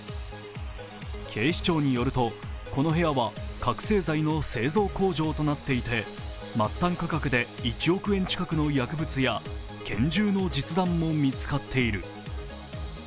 警視庁によると、この部屋は覚醒剤の製造工場となっていて末端価格で１億円近くの薬物や拳銃の実弾も見つかっている。